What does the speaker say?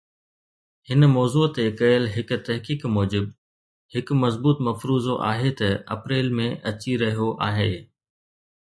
هن موضوع تي ڪيل هڪ تحقيق موجب، هڪ مضبوط مفروضو آهي ته اپريل ۾ اچي رهيو آهي